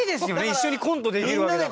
一緒にコントできるわけだから。